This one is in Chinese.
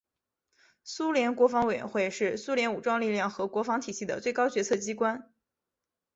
苏联国防委员会是苏联武装力量和国防体系的最高决策机关。